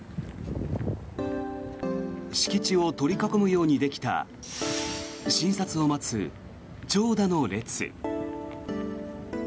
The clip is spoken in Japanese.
敷地を取り囲むようにできた診察を待つ長蛇の列。